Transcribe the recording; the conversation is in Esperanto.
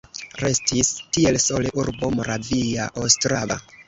Restis tiel sole urbo Moravia Ostrava.